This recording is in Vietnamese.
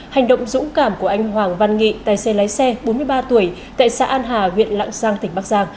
hành động dũng cảm của anh hoàng văn nghị tài xế lái xe bốn mươi ba tuổi tại xã an hà huyện lạng giang tỉnh bắc giang